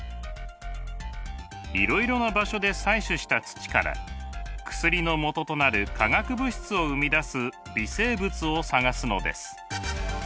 いろいろな場所で採取した土から薬のもととなる化学物質を生み出す微生物を探すのです。